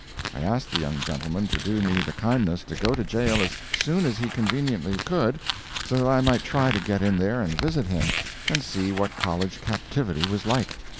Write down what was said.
I asked the young gentleman to do me the kindness to go to jail as soon as he conveniently could, so that I might try to get in there and visit him, and see what college captivity was like.